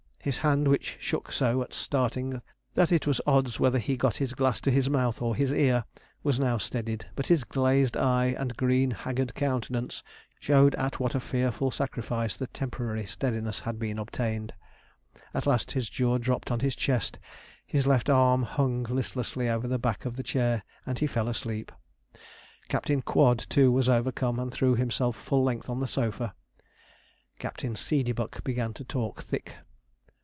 His hand, which shook so at starting that it was odds whether he got his glass to his mouth or his ear, was now steadied, but his glazed eye and green haggard countenance showed at what a fearful sacrifice the temporary steadiness had been obtained. At last his jaw dropped on his chest, his left arm hung listlessly over the back of the chair, and he fell asleep. Captain Quod, too, was overcome, and threw himself full length on the sofa. Captain Seedeybuck began to talk thick.